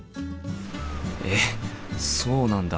えっそうなんだ。